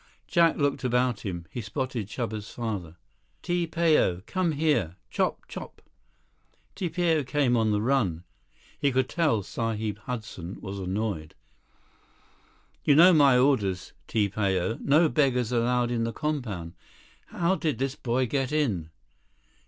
Jack looked about him. He spotted Chuba's father. "Ti Pao. Come here. Chop! Chop!" Ti Pao came on the run. He could tell Sahib Hudson was annoyed. "You know my orders, Ti Pao. No beggars allowed in the compound. How did this boy get in?"